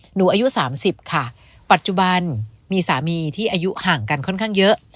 อายุ๓๐ค่ะปัจจุบันมีสามีที่อายุห่างกันค่อนข้างเยอะ